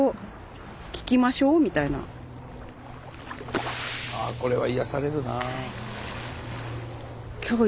あっこれは癒やされるなあ。